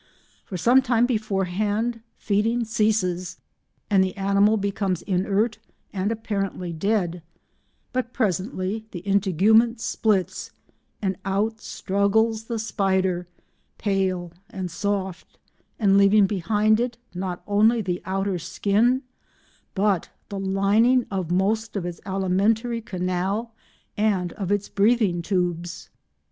For some time beforehand feeding ceases, and the animal becomes inert and apparently dead, but presently the integument splits, and out struggles the spider, pale and soft, and leaving behind it not only the outer skin but the lining of most of its alimentary canal and of its breathing tubes.